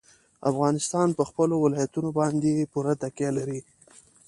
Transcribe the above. افغانستان په خپلو ولایتونو باندې پوره تکیه لري.